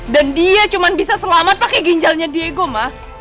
dan dia cuma bisa selamat pakai ginjalnya dego ma